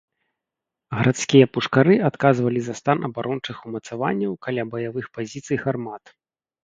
Гарадскія пушкары адказвалі за стан абарончых умацаванняў каля баявых пазіцый гармат.